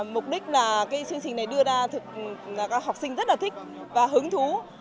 mục đích là chương trình này đưa ra các học sinh rất thích và hứng thú